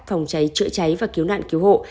phòng cháy chữa cháy và cứu nạn cứu hộ